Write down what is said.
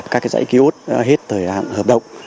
các dãy ký ốt hết thời hạn hợp động